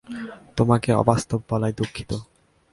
তোমাকে অবাস্তব বলায় দুঃখিত।